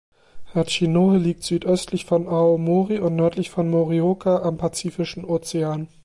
Hachinohe liegt südöstlich von Aomori und nördlich von Morioka am Pazifischen Ozean.